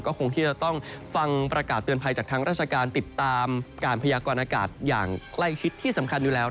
คงที่จะต้องฟังประกาศเตือนภัยจากทางราชการติดตามการพยากรณากาศอย่างใกล้ชิดที่สำคัญอยู่แล้ว